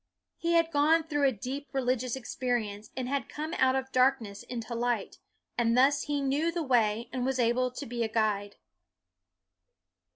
He had gone through a deep religious experience and had come out of darkness into light, and thus knew the way and was able to be a guide.